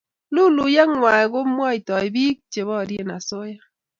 leluyiet ngwai ko mwaitoi piik che porie asoya